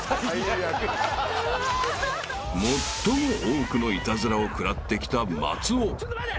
［最も多くのイタズラを食らってきた松尾］